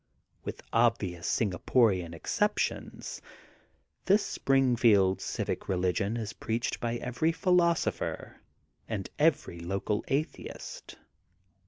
With obvious Singaporian exceptions, this Springfield civic religon is preached by every philosopher and every local atheist.